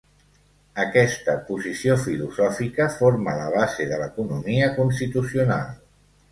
Aquesta posició filosòfica forma la base de l'economia constitucional.